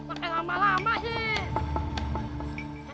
bukan lama lama sih